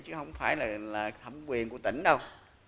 chứ không phải là thẩm quyền của tỉnh đâu